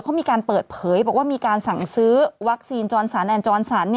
เขามีการเปิดเผยบอกว่ามีการสั่งซื้อวัคซีนจรสันแอนจรสัน